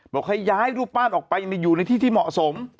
บอกให้ย้ายรูปปั้นออกไปอยู่ในที่ที่เหมาะสม